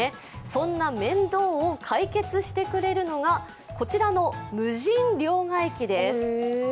そんな面倒を解決してくれるのがこちらの無人両替機です。